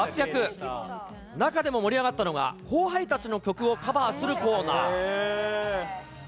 中でも盛り上がったのが、後輩たちの曲をカバーするコーナー。